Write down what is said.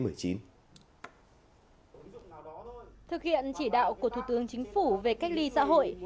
thực hiện chỉ đạo của thủ tướng chính phủ về cách ly xã hội